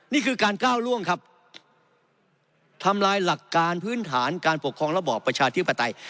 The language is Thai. นี่คือการก้าวล่วงครับทำลายหลักการพื้นฐานการปกครองระบอบประชาธิปไตย